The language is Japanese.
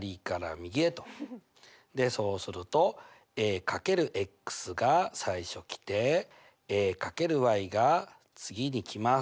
そうすると×が最初来て×が次に来ます。